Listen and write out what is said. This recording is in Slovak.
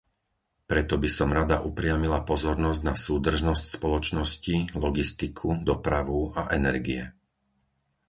Preto by som rada upriamila pozornosť na súdržnosť spoločnosti, logistiku, dopravu a energie.